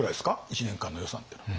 １年間の予算っていうのは。